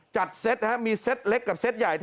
จัดเซตนะครับมีเซตเล็กกับเซตใหญ่